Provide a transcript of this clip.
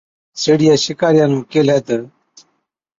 سيهڙِيئَي شِڪارِيئا نُون ڪيهلَي تہ،